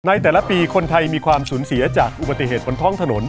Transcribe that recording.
ในแต่ละปีคนไทยมีความสูญเสียจากอุบัติเหตุบนท้องถนน